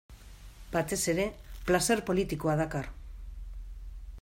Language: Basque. Batez ere, plazer politikoa dakar.